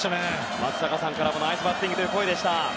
松坂さんからもナイスバッティングという声。